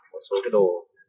một số cái đồ